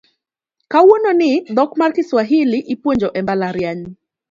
Kawuono ni dhok mar Kiswahili ipuonjo e mbalariany